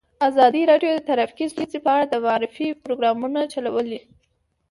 ازادي راډیو د ټرافیکي ستونزې په اړه د معارفې پروګرامونه چلولي.